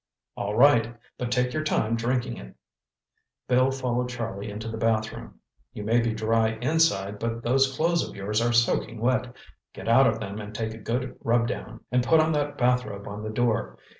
"All right, but take your time drinking it." Bill followed Charlie into the bathroom. "You may be dry inside, but those clothes of yours are soaking wet. Get out of them and take a good rub down. And put on that bathrobe on the door.